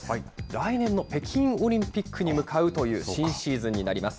来年の北京オリンピックに向かうという新シーズンになります。